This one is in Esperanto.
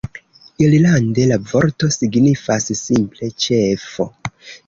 Irlande la vorto signifas simple "ĉefo".